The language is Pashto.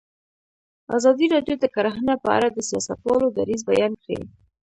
ازادي راډیو د کرهنه په اړه د سیاستوالو دریځ بیان کړی.